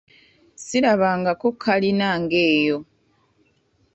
Sirabangako kalina ng'eyo.